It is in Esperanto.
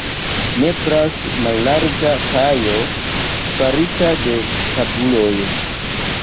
Nepras mallarĝa kajo farita de tabuloj.